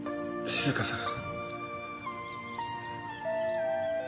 椚静香さん